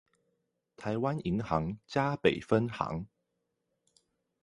臺灣銀行嘉北分行